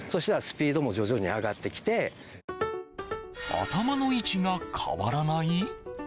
頭の位置が変わらない？